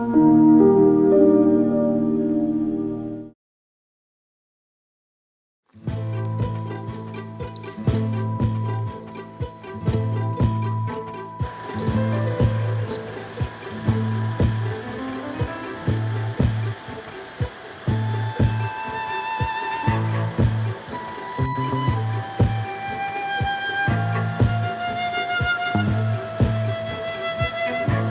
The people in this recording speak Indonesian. kisah kisah yang terjadi di indonesia